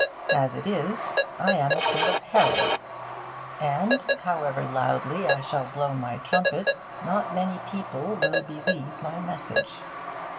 As it is, I am a sort of herald. And, however loudly I shall blow my trumpet, not many people will believe my message.